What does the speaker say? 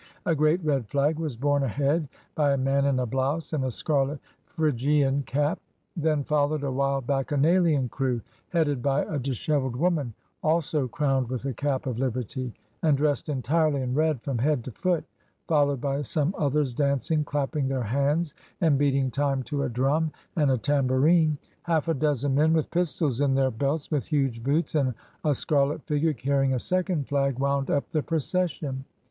A great red flag was borne ahead by a man in a blouse and a scarlet Phrygian cap. Then followed a wild bacchanalian crew, headed by a dishevelled woman also crowned with the cap of liberty, and dressed entirely in red from head to foot, followed by some others dancing, clapping their hands, and beating time to a drum and a tam bourine; half a dozen men, with pistols in their belts, with huge boots, and a scarlet figure, carrying a second flag, wound up the procession.